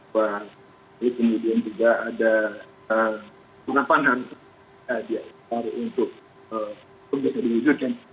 lalu kemudian juga ada penampanan untuk kebudayaan